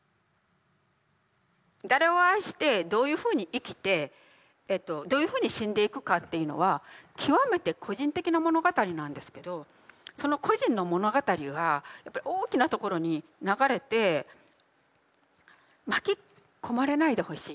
誰を愛してどういうふうに生きてどういうふうに死んでいくかっていうのは極めて個人的な物語なんですけどその個人の物語がやっぱり大きなところに流れて巻き込まれないでほしい。